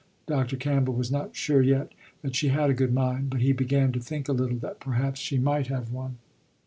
Dr. Campbell was not sure yet that she had a good mind, but he began to think a little that perhaps she might have one.